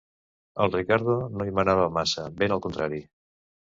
El Riccardo no hi manava massa; ben al contrari.